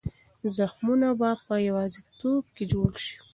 زخمونه به په یوازیتوب کې جوړ شي.